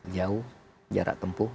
jauh jarak tempuh